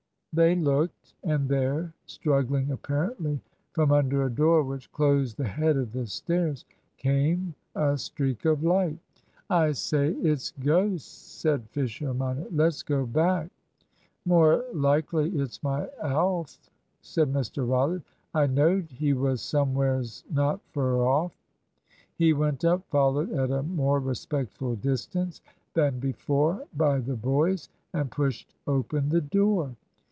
They looked. And there, struggling apparently from under a door which closed the head of the stairs, came a streak of light. "I say it's ghosts," said Fisher minor. "Let's go back." "More likely it's my Alf," said Mr Rollitt. "I know'd he was somewheres not fur off." He went up, followed at a more respectful distance than before by the boys, and pushed open the door.